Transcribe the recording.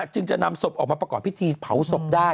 จึงจะนำศพออกมาประกอบพิธีเผาศพได้